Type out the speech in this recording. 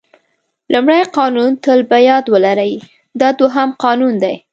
لومړی قانون تل په یاد ولرئ دا دوهم قانون دی.